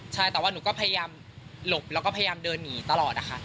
ใช่แต่ว่าหนูก็พยายามหลบแล้วก็พยายามเดินหนีตลอดนะคะ